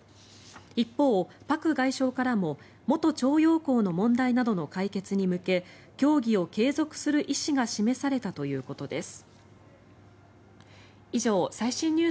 一方、パク外相からも元徴用工の問題などの解決に向け協議を継続する意思が示されたということです。